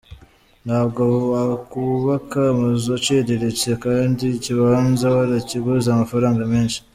Ntabwo wakubaka amazu aciriritse kandi ikibanza warakiguze amafaranga menshi.